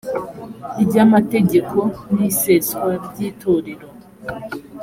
ry amategeko n iseswa ry itorero